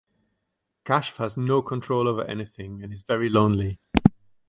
Kashf has no control over anything and is very lonely.